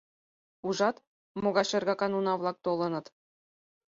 Ужат, могай шергакан уна-влак толыныт!